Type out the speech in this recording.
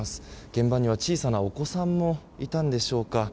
現場には小さなお子さんもいたんでしょうか。